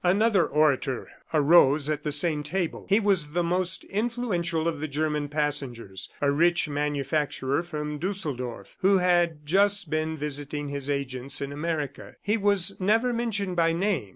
Another orator arose at the same table. He was the most influential of the German passengers, a rich manufacturer from Dusseldorf who had just been visiting his agents in America. He was never mentioned by name.